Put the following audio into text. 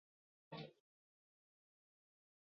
已知河床的水位高度对黑长脚鹬数目有明显影响。